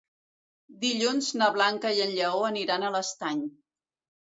Dilluns na Blanca i en Lleó aniran a l'Estany.